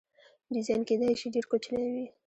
ډیزاین کیدای شي ډیر کوچنی وي.